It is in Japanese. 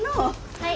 はい。